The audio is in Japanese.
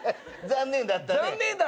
残念だったね？